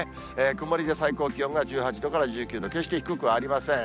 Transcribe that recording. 曇りで最高気温が１８度から１９度、決して低くありません。